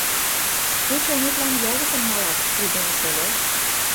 Шке чонетлан языкым налат, Придон шольо...